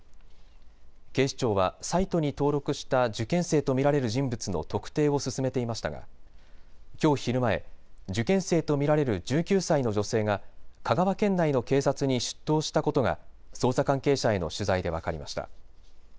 警視庁はサイトに登録した受験生と見られる人物の特定を進めていましたがきょう昼前受験生と見られる１９歳の女性が香川県内の警察に出頭したことが捜査関係者への取材で分かりました。